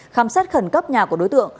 khám xét khẩn cấp nhà của đối tượng